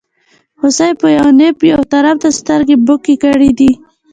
هوسۍ په یوه نېب یوه طرف ته سترګې بکې کړې دي.